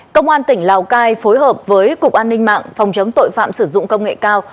công an tỉnh lào cai phối hợp với cục an ninh mạng phòng chống tội phạm sử dụng công nghệ cao